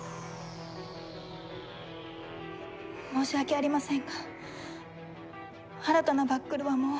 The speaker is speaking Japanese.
申し訳ありませんが新たなバックルはもう。